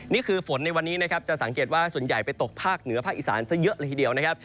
นี่คือฝนในวันนี้นะครับจะสังเกตว่าส่วนใหญ่ไปตกภาคเหนือภาคอีสานซะเยอะเลยทีเดียวนะครับ